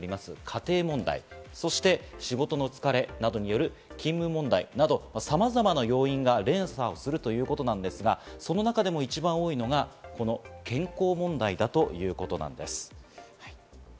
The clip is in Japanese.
家庭問題、そして仕事の疲れなどによる勤務問題など、さまざまな要因が連鎖をするということなんですが、その中でも一番多いのが、この健康問題だということなんです。